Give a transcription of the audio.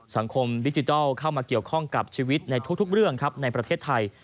สังคมดิจิทัลเข้ามาเกี่ยวข้องกับชีวิตในทุกเรื่องครับในประเทศไทย